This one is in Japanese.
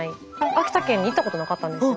秋田県に行ったことなかったんですよ。